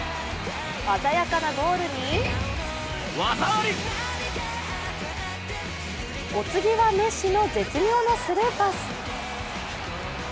鮮やかなゴールにお次はメッシの絶妙なスルーパス。